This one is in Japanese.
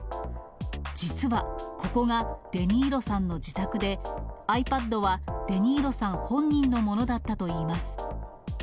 実はここがデ・ニーロさんの自宅で、ｉＰａｄはデ・ニーロさん本人のものだったといいます。